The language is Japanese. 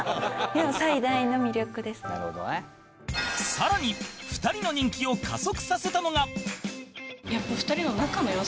更に２人の人気を加速させたのが